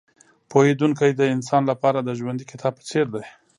پوهېدونکی د انسان لپاره د ژوندي کتاب په څېر دی.